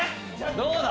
どうだ？